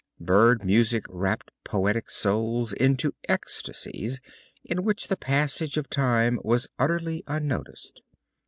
Bird music rapt poetic souls into ecstasies in which the passage of time was utterly unnoticed.